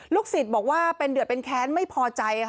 ลูกศิษย์บอกว่าเดือดเป็นแค้นไม่พอใจ